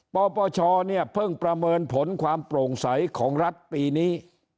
ปปชเนี่ยเพิ่งประเมินผลความโปร่งใสของรัฐปีนี้